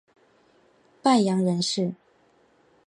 范阳人氏。